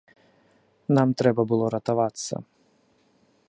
Нам трэба было ратавацца.